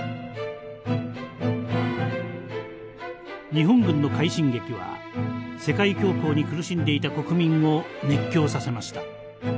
日本軍の快進撃は世界恐慌に苦しんでいた国民を熱狂させました。